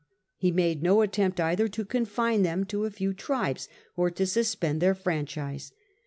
He made no attempt either to confine them to a few tribes or to suspend their franchise.